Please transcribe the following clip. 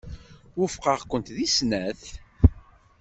Wufqeɣ-kent deg snat.